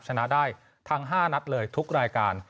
ชนะได้ทั้ง๕นัดเลยทุกรายการ